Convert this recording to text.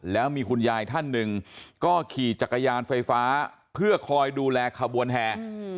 แล้วมีคุณยายท่านหนึ่งก็ขี่จักรยานไฟฟ้าเพื่อคอยดูแลขบวนแห่